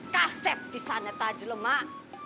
kaset disana tajel mak